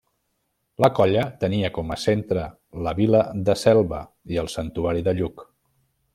La colla tenia com a centre la vila de Selva i el santuari de Lluc.